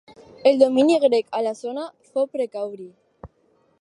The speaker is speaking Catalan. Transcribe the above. El domini grec a la zona fou precari.